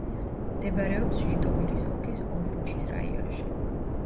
მდებარეობს ჟიტომირის ოლქის ოვრუჩის რაიონში.